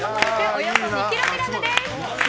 およそ２ｋｇです。